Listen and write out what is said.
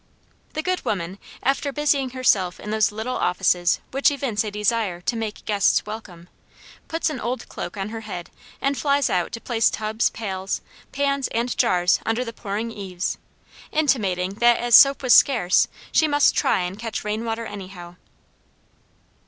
The good woman, after busying herself in those little offices which evince a desire to make guests welcome, puts an old cloak on her head and flies out to place tubs, pails, pans, and jars under the pouring eaves, intimating that as soap was scarce, she "must try and catch rain water anyhow."